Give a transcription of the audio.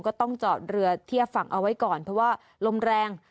ก็ต้องจอดเรือเทียบฝั่งเอาไว้ก่อนเพราะว่าลมแรง